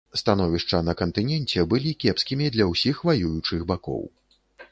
Становішча на кантыненце былі кепскімі для ўсіх ваюючых бакоў.